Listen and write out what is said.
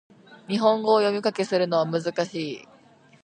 日本語を読み書きするのは難しい